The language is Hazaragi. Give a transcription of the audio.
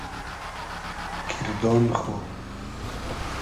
کیردۉن خو